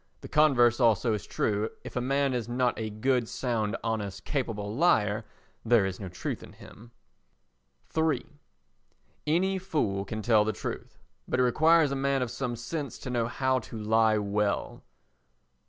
The converse also is true; if a man is not a good, sound, honest, capable liar there is no truth in him. iii Any fool can tell the truth, but it requires a man of some sense to know how to lie well.